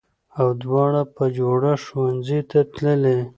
او دواړه بهجوړه ښوونځي ته تللې